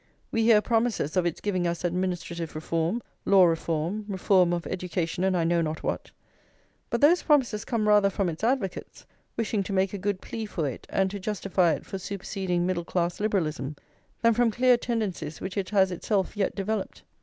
We hear promises of its giving us administrative reform, law reform, reform of education, and I know not what; but those promises come rather from its advocates, wishing to make a good plea for it and to justify it for superseding middle class liberalism, than from clear tendencies which it has itself yet developed.